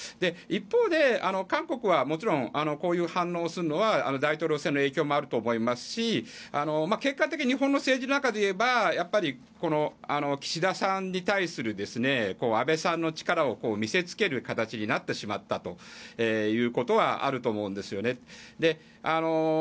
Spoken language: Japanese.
一方で、韓国はもちろんこういう反応をするのは大統領選の影響もあると思いますし結果的に日本の政治の中でいえば岸田さんに対する安倍さんの力を見せつける形になってしまったということはあると思うんですよね。